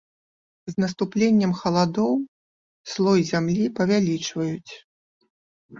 З наступленнем халадоў слой зямлі павялічваюць.